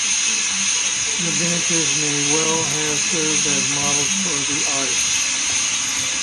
The miniatures may well have served as models for the artist.